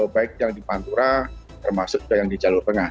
baik yang di pantura termasuk juga yang di jalur tengah